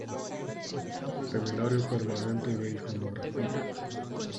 Seminario Permanente de Iconografía.